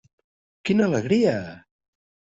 Quina alegria!